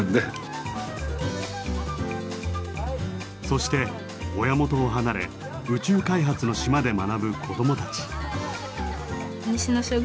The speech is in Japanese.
そして親元を離れ宇宙開発の島で学ぶ子どもたち。